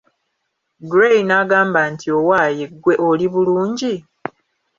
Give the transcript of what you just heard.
Gray n'agamba nti owaaye ggwe oli bulungi?